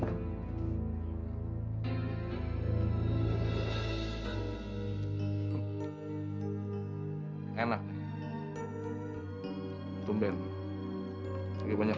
abang jangan abang itu uang aku bang